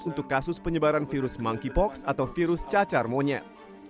untuk kasus penyebaran virus monkeypox atau virus cacar monyet